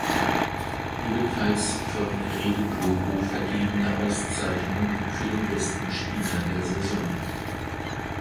Ebenfalls von Rede Globo vergebene Auszeichnung für den besten Spieler der Saison.